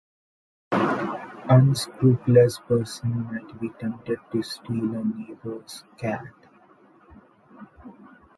Unscrupulous persons might be tempted to steal a neighbour's cat.